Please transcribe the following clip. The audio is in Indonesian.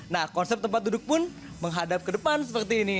nah konsep tempat duduk pun menghadap ke depan seperti ini